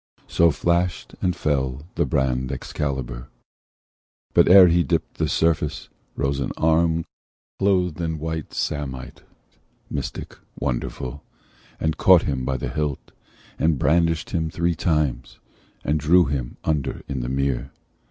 So flashed and fell the brand Excalibur: But ere he dipt the surface, rose an arm Clothed in white samite, mystic, wonderful, And caught him by the hilt, and brandished him Three times, and drew him under in the mere.